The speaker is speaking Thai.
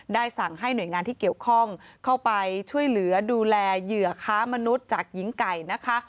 สั่งให้หน่วยงานที่เกี่ยวข้องเข้าไปช่วยเหลือดูแลเหยื่อค้ามนุษย์จากหญิงไก่นะคะ